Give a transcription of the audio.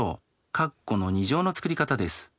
括弧の２乗の作り方です。